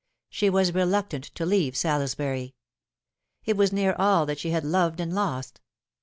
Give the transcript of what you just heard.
She was reluctant to leave " 1!? .><ury. It was near all that she had loved and lost.